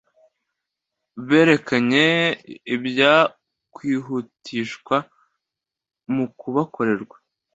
berekanye ibyakwihutishwa mu kubakorerwa